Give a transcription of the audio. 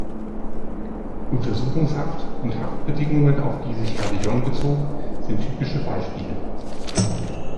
Untersuchungshaft und Haftbedingungen, auf die sich Herr de Jong bezog, sind typische Beispiele.